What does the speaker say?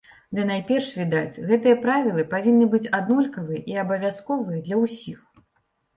Ды найперш, відаць, гэтыя правілы павінны быць аднолькавыя і абавязковыя для ўсіх.